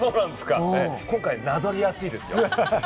今回なぞりやすいですよ。